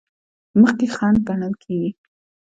په مخ کې خنډ ګڼل کیږي.